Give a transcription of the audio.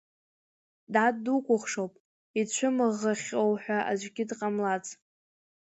Дад дукәхшоуп, иҵәымыӷхахьоу ҳәа аӡәгьы дҟамлаӡац.